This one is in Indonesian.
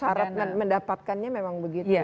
sarapan mendapatkannya memang begitu